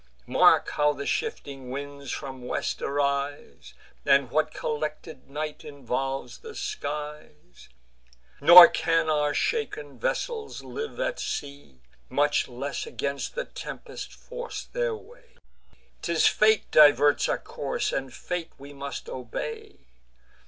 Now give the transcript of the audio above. Mark how the shifting winds from west arise, And what collected night involves the skies! Nor can our shaken vessels live at sea, Much less against the tempest force their way. 'Tis fate diverts our course, and fate we must obey.